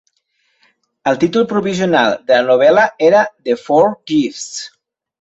El títol provisional de la novel·la era "The Four Gifts".